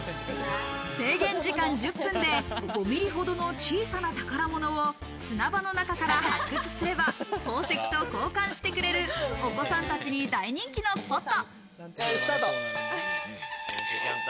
制限時間１０分で５ｍｍほどの小さな宝物を砂場の中から発掘すれば、宝石と交換してくれる、お子さんたちに大人気のスポット。